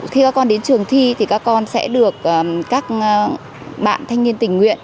khi các con đến trường thi thì các con sẽ được các bạn thanh niên tình nguyện